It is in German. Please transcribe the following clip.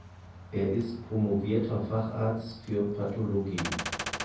Er ist promovierter Facharzt für Pathologie.